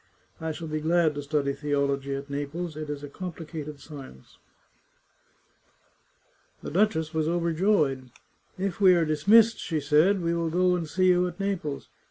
I shall be glad to study theology at Naples ; it is a complicated science." 127 The Chartreuse of Parma The duchess was overjoyed. " If we are dismissed," she said, " we will go and see you at Naples.